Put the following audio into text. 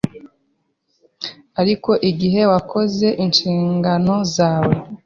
ariko igihe wakoze inshingano zawe